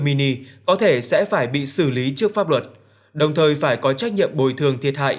mini có thể sẽ phải bị xử lý trước pháp luật đồng thời phải có trách nhiệm bồi thường thiệt hại